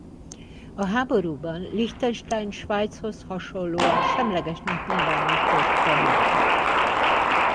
A háborúban Liechtenstein Svájchoz hasonlóan semlegesnek nyilvánította magát.